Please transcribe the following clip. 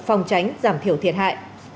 phòng tránh giảm thiểu thiệt hại